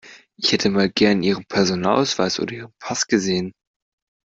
Ich hätte mal gern Ihren Personalausweis oder Ihren Pass gesehen.